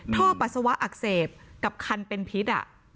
ปัสสาวะอักเสบกับคันเป็นพิษ